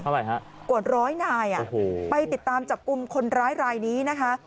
อะไรฮะกว่าร้อยนายไปติดตามจับกลุ่มคนร้ายรายนี้นะคะ